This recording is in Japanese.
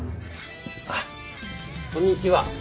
あっこんにちは。